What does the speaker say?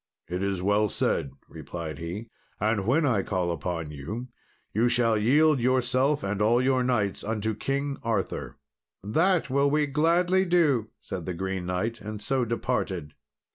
"It is well said," replied he; "and when I call upon you, you shall yield yourself and all your knights unto King Arthur." "That will we gladly do," said the Green Knight, and so departed.